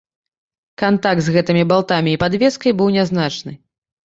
Кантакт з гэтымі балтамі і падвескай быў нязначны.